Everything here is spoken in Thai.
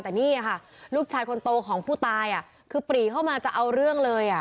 แต่นี่ค่ะลูกชายคนโตของผู้ตายคือปรีเข้ามาจะเอาเรื่องเลย